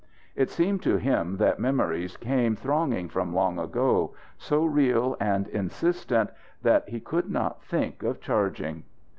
It seemed to him that memories came thronging from long ago, so real and insistent that he could not think of charging.